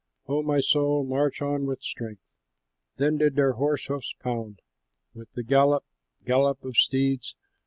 O my soul, march on with strength! Then did their horse hoofs pound With the gallop, gallop of steeds.